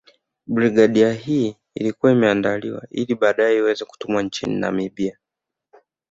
Brigedia hii ilikuwa imeandaliwa ili baadae iweze kutumwa nchini Namibia